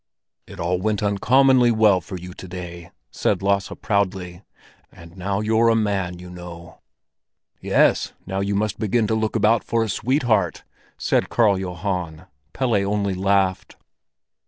"It all went uncommonly well for you to day," said Lasse proudly; "and now you're a man, you know." "Yes, now you must begin to look about for a sweetheart," said Karl Johan. Pelle only laughed.